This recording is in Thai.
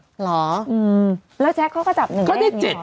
โอ้โฮแล้วแจ๊กเขาก็จับนึงัพท์เนี่ย